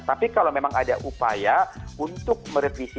tapi kalau memang ada upaya untuk merevisi